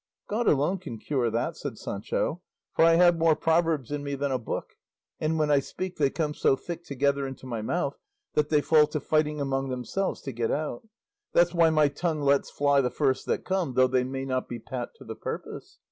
"God alone can cure that," said Sancho; "for I have more proverbs in me than a book, and when I speak they come so thick together into my mouth that they fall to fighting among themselves to get out; that's why my tongue lets fly the first that come, though they may not be pat to the purpose.